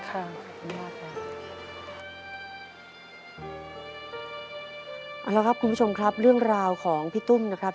คุณผู้ชมครับเรื่องราวของพี่ตุ้นนะครับ